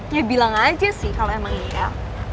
ya bilang aja sih kalau emang iya